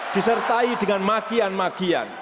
disertai dengan magian magian